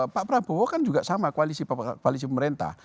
pak prabowo kan juga sama koalisi pemerintah